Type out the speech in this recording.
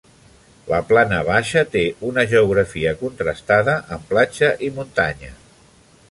La Plana Baixa té una geografia contrastada, amb platja i muntanya.